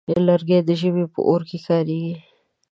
لرګی د ژمي په اور کې کارېږي.